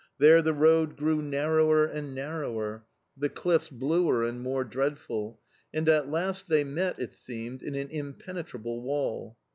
There the road grew narrower and narrower, the cliffs bluer and more dreadful, and at last they met, it seemed, in an impenetrable wall.